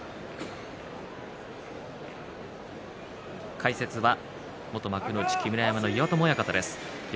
解説は元木村山の岩友親方です。